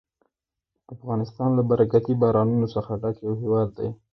افغانستان له برکتي بارانونو څخه ډک یو هېواد دی.